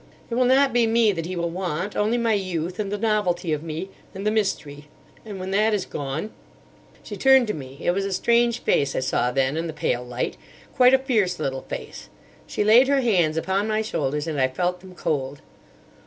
It will not be me that he will want: only my youth, and the novelty of me, and the mystery. And when that is gone—" She turned to me. It was a strange face I saw then in the pale light, quite a fierce little face. She laid her hands upon my shoulders, and I felt them cold.